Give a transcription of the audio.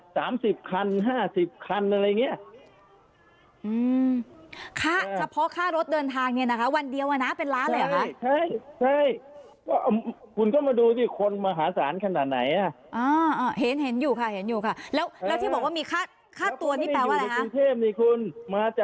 สามสิบคันห้าสิบคันอะไรเงี้ยอืมค่ะเฉพาะค่ารถเดินทางนี่น่ะ